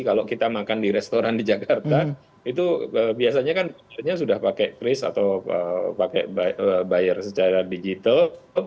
kalau kita makan di restoran di jakarta itu biasanya kan sudah pakai kris atau pakai buyer secara digital